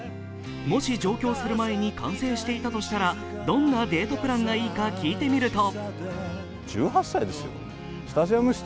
もし上京する前に完成していたとしたら、どんなデートプランがいいか聞いてみると？